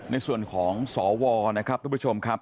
ในส่วนของสวนะครับทุกผู้ชมครับ